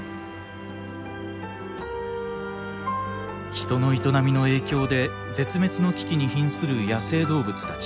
人の営みの影響で絶滅の危機に瀕する野生動物たち。